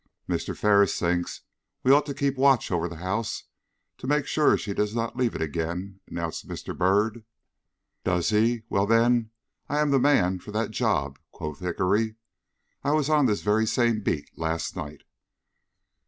"Mr. Ferris thinks we ought to keep watch over the house, to make sure she does not leave it again," announced Mr. Byrd. "Does he? Well, then, I am the man for that job," quoth Hickory. "I was on this very same beat last night."